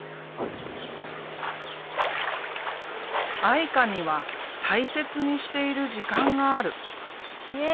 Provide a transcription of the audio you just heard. あいかには大切にしている時間がある。